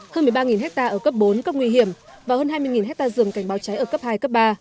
hơn một mươi ba ha ở cấp bốn cấp nguy hiểm và hơn hai mươi hectare rừng cảnh báo cháy ở cấp hai cấp ba